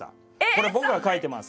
これ僕が書いてます。